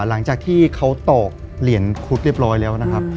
หลังจากที่เขาตอกเหรียญครุฑเรียบร้อยแล้วนะครับ